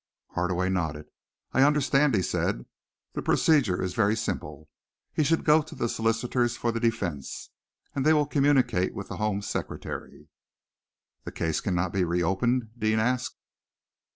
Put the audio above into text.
Hardaway nodded. "I understand," he said. "The procedure is very simple. He should go to the solicitors for the defence, and they will communicate with the Home Secretary." "The case cannot be reopened?" Deane asked.